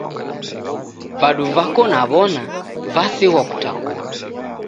Vadu vako naw'ona vasighwa kutakuka